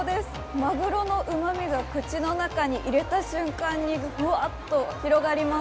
まぐろのうまみが口の中に入れた瞬間にふわっと広がります。